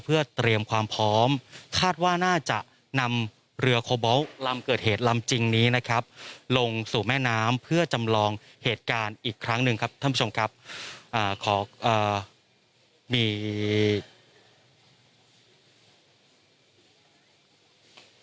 เพื่อเตรียมความพร้อมคาดว่าน่าจะนำเรือโคบอลลำเกิดเหตุลำจริงนี้นะครับลงสู่แม่น้ำเพื่อจำลองเหตุการณ์อีกครั้งหนึ่งครับท่านผู้ชมครับขอมี